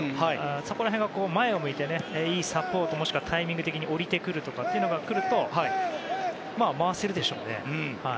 そこら辺は前を向いていいサポートもしくはタイミング的に下りてくるとまあ回せるでしょうね。